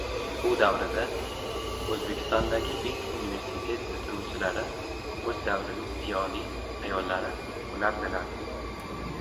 Bu davrada Oʻzbekistondagi ilk universitet bitiruvchilari, oʻz davrining ziyoli ayollari boʻlardilar...